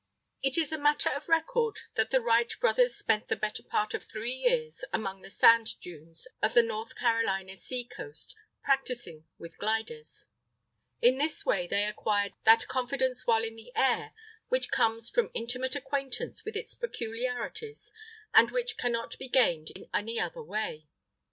It is a matter of record that the Wright brothers spent the better part of three years among the sand dunes of the North Carolina sea coast practising with gliders. In this way they acquired that confidence while in the air which comes from intimate acquaintance with its peculiarities, and which cannot be gained in any other way.